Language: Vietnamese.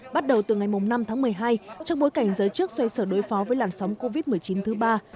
bắt đầu từ ngày năm tháng một mươi hai trong bối cảnh giới chức xoay sở đối phó với làn sóng covid một mươi chín thứ ba